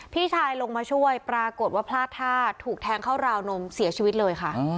พี่ชายลงมาช่วยปรากฏว่าพลาดท่าถูกแทงเข้าราวนมเสียชีวิตเลยค่ะ